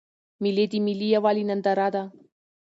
مېلې د ملي یوالي ننداره ده.